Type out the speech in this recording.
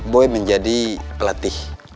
boy menjadi pelatih